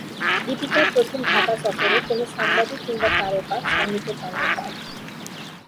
দীপিকার প্রথম ঢাকা সফরে কোনো সাংবাদিক কিংবা তারকা সান্নিধ্য পাননি তাঁর।